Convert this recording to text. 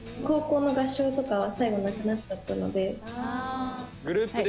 高校の合唱とかは最後なくなっちゃったので。